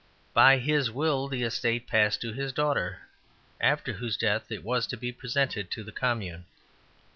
By his will the estate passed to his daughter, after whose death it was to be presented to the commune.